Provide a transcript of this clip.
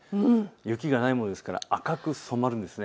雪がないもんですから赤く染まるんです。